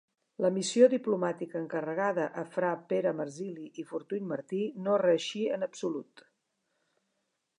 La missió diplomàtica encarregada a fra Pere Marsili i Fortuny Martí no reeixí en absolut.